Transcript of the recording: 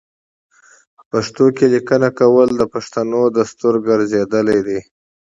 په پښتو کې لیکنه کول د پښتنو دستور ګرځیدلی دی.